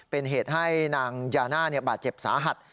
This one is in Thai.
เป็นเหตุให้นางยาน่าบาดเจ็บสาหัส